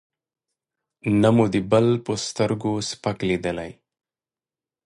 نه مو د بل په سترګو سپک لېدلی.